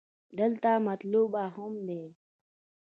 دلته مطلوب اهم دې.